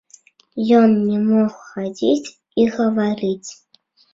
Ён не мог хадзіць і гаварыць.